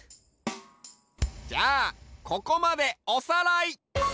じゃあここまでおさらい！